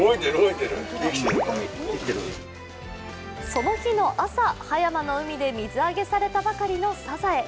その日の朝、葉山の海で水揚げされたばかりのサザエ。